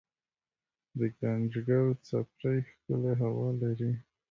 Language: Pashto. دګنجګل څپری ښکلې هوا لري